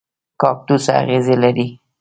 کاکتوس اغزي لري